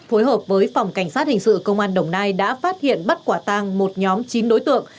phối hợp với phòng cảnh sát hình sự công an đồng nai đã phát hiện bắt quả tàng một nhóm chín đối tượng